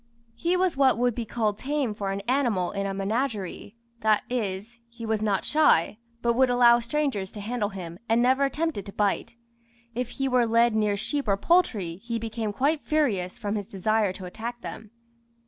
He was what would be called tame for an animal in a menagerie; that is, he was not shy, but would allow strangers to handle him, and never attempted to bite. If he were led near sheep or poultry, he became quite furious from his desire to attack them.